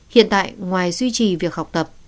hiện tại ngoài duy trì việc học tập